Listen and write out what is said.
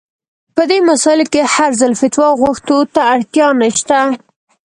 په دې مسايلو کې هر ځل فتوا غوښتو ته اړتيا نشته.